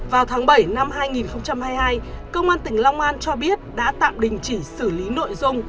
vào tháng bảy năm hai nghìn hai mươi hai công an tỉnh long an cho biết đã tạm đình chỉ xử lý nội dung